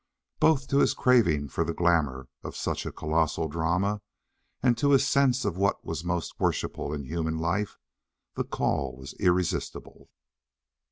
Both to his craving for the glamour of such a colossal drama, and to his sense of what was most worshipful in human life, the call was irresistible.